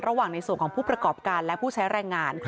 ระหว่างในส่วนของผู้ประกอบการและผู้ใช้แรงงาน